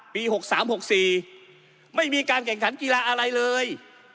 ปีหกสามหกสี่ไม่มีการแข่งขันกีฬาอะไรเลย